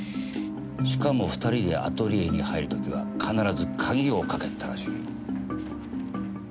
しかも２人でアトリエに入る時は必ず鍵をかけてたらしい。